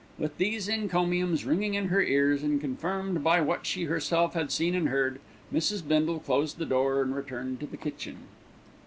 With these encomiums ringing in her ears, and confirmed by what she herself had seen and heard, Mrs. Bindle closed the door and returned to the kitchen.